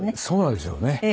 そうなんですよね。